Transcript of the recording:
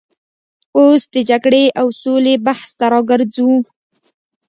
اوس د جګړې او سولې بحث ته راګرځو.